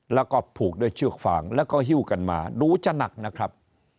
แล้วก็ผูกด้วยเชือกฟางแล้วก็ฮิ้วกันมาดูจะหนักนะครับ